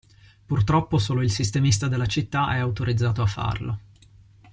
Purtroppo, solo il sistemista della città è autorizzato a farlo.